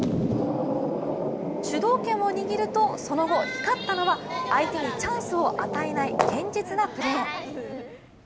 主導権を握るとその後、光ったのは相手にチャンスを与えない堅実なプレー。